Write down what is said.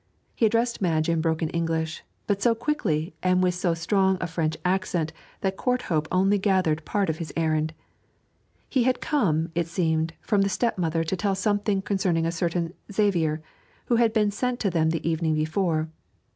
He addressed Madge in broken English, but so quickly and with so strong a French accent that Courthope only gathered part of his errand. He had come, it seemed, from the stepmother to tell something concerning a certain Xavier, who had been sent to them the evening before.